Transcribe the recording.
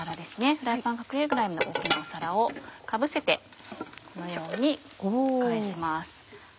フライパン隠れるぐらいの大っきな皿をかぶせてこのように返します。